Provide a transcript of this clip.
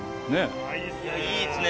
いいですね。